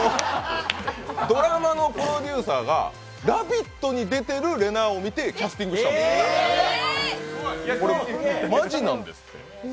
ドラマのプロデューサーが「ラヴィット！」に出てるれなぁを見てキャスティングしたんですって、マジなんですって。